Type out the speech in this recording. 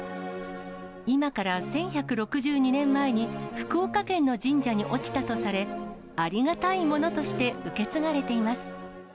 今から１１６２年前に、福岡県の神社に落ちたとされ、ありがたいものとして受け継がれています。